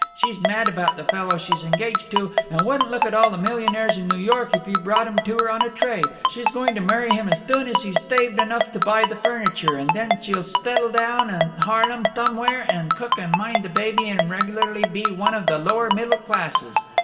She's mad about the fellow she's engaged to, and wouldn't look at all the millionaires in New York if you brought 'em to her on a tray. She's going to marry him as thoon as he's thaved enough to buy the furniture, and then she'll thettle down in Harlem thomewhere and cook and mind the baby and regularly be one of the lower middle classes.